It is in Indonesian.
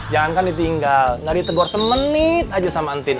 jangan kan ditinggal gak ditebor semenit aja sama antin